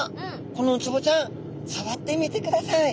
このウツボちゃんさわってみてください。